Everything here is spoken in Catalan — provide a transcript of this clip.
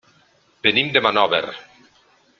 Venim de Monòver.